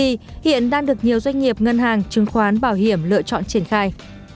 vnpt ekyc đang được nhiều doanh nghiệp ngân hàng chứng khoán bảo hiểm lựa chọn triển khai